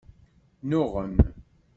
Nnuɣen.